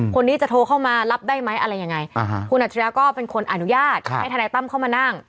คนนี้จะโทรเข้ามารับได้ไหมอะไรยังไงคุณอัจฉริยะก็เป็นคนอนุญาตให้ทนายตั้มเข้ามานั่ง